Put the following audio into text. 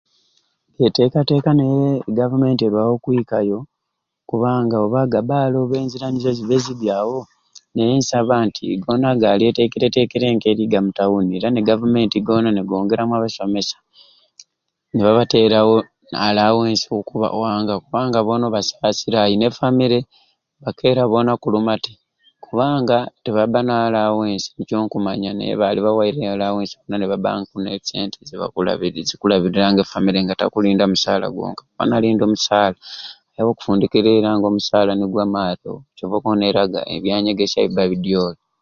Enteekateeka naye e Gavumenti elwawo okwikayo kubanga oba gabbawo oba enzira nizo zibba ezibbi awo naye nsaba nti goona galyeitekereitekere k'eri ga mu tawuni ne gavumenti goona negongeramu abasomesa nibabateerawo alawensi ku owanga kubanga boona obasaasira alina e famire bakeera boona kuluma te kubanga tebabba na alawensi nikyo nkumanya naye baalibawaire alawensi boona nibabbaku n'esente zibakulabiri okulabirira nga e famire yamwe nga takulinda nga mbe musaala gwonka kuba nalinda omusaala ayaba okufundikira era nga omusaala tegumaale nikyo okubona nga ebyanyegesya bibba bidyooli